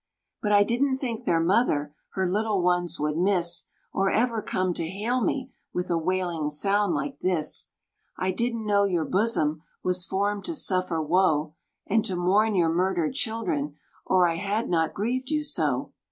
"But I didn't think their mother Her little ones would miss; Or ever come to hail me With a wailing sound, like this. "I didn't know your bosom Was formed to suffer woe, And to mourn your murdered children, Or I had not grieved you so.